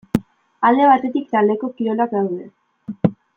Alde batetik taldeko kirolak daude.